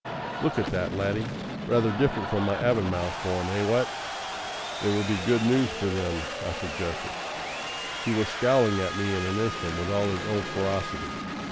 "Look at that, laddie. Rather different from my Avonmouth form, eh? What?" "It will be good news for them," I suggested. He was scowling at me in an instant with all his old ferocity.